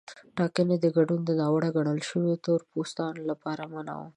ټاکنو کې ګډون د ناوړه ګڼل شویو تور پوستانو لپاره منع و.